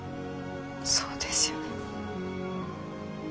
そうですよね。